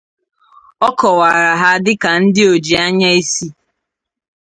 O kowara ha dika ndi oji anya isi.